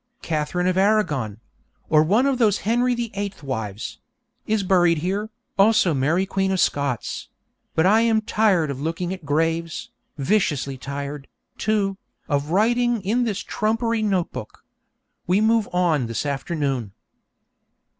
Catherine of Aragon (or one of those Henry the Eighth wives) is buried here, also Mary Queen of Scots; but I am tired of looking at graves, viciously tired, too, of writing in this trumpery note book. We move on this afternoon.